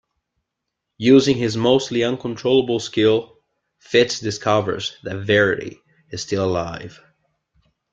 Using his mostly uncontrollable Skill, Fitz discovers that Verity is still alive.